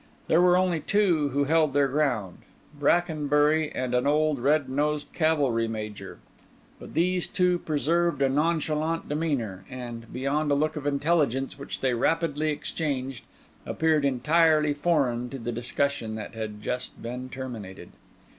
There were only two who held their ground, Brackenbury and an old red nosed cavalry Major; but these two preserved a nonchalant demeanour, and, beyond a look of intelligence which they rapidly exchanged, appeared entirely foreign to the discussion that had just been terminated.